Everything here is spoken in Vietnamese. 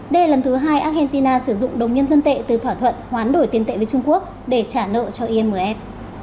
đây là lần thứ hai argentina sử dụng đồng nhân dân tệ từ thỏa thuận hoán đổi tiền tệ với trung quốc để trả nợ cho imf